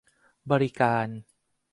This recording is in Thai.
บริการ